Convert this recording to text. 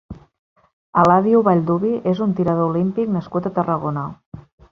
Eladio Vallduvi és un tirador olímpic nascut a Tarragona.